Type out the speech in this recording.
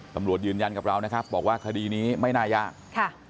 ตำรวจยืนยันกับเรานะครับบอกว่าคดีนี้ไม่น่ายากค่ะ